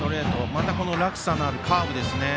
また、落差のあるカーブですね。